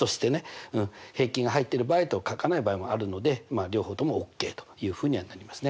平均が入ってる場合と書かない場合もあるので両方ともオッケーというふうにはなりますね。